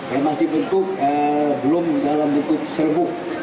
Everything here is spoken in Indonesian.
yang masih bentuk belum dalam bentuk serbuk